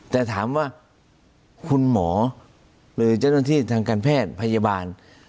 แต่ถามว่าคุณหมอหรือเจ้าหน้าที่ทางการแพทย์พยาบาล